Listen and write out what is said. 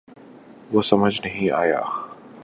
وہ سمجھ نہیں آیا